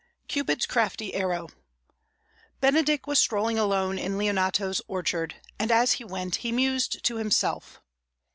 "Cupid's Crafty Arrow" Benedick was strolling alone in Leonato's orchard, and as he went he mused to himself.